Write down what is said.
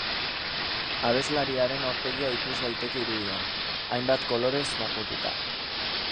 Abeslariaren aurpegia ikus daiteke irudian, hainbat kolorez margotuta.